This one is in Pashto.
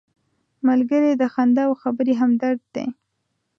ملګری د خندا او خبرې همدرد دی